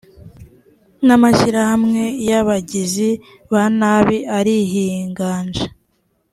n’ amashyirahamwe y abagizi ba nabi arihiganje